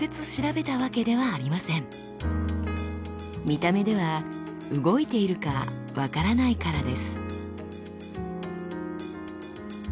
見た目では動いているか分からないからです。